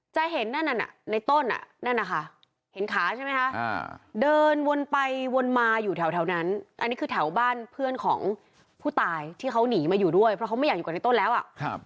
จะเห็นนั่นน่ะในต้นอ่ะนั่นนะคะเห็นขาใช่ไหมคะเดินวนไปวนมาอยู่แถวนั้นอันนี้คือแถวบ้านเพื่อนของผู้ตายที่เขาหนีมาอยู่ด้วยเพราะเขาไม่อยากอยู่กับในต้นแล้วอ่ะ